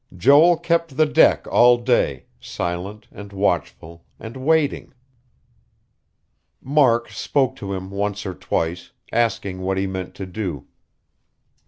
Joel kept the deck all day, silent, and watchful, and waiting. Mark spoke to him once or twice, asking what he meant to do.